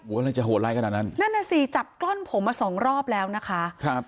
อะไรจะโหดร้ายขนาดนั้นนั่นน่ะสิจับกล้อนผมมาสองรอบแล้วนะคะครับ